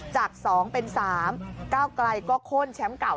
จาก๒เป็น๓ก้าวไกลก็โค้นแชมป์เก่า